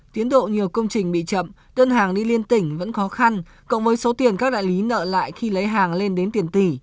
tiến độ nhiều công trình bị chậm đơn hàng đi liên tỉnh vẫn khó khăn cộng với số tiền các đại lý nợ lại khi lấy hàng lên đến tiền tỷ